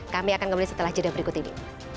kami akan kembali setelah jeda berikut ini